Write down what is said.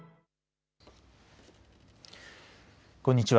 こんにちは。